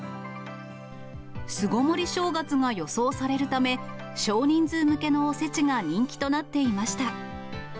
巣ごもり正月が予想されるため、少人数向けのおせちが人気となっていました。